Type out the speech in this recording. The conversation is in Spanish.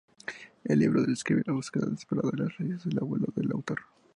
El libro describe la búsqueda desesperada de las raíces del abuelo del autor.